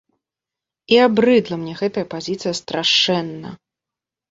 І абрыдла мне гэтая пазіцыя страшэнна.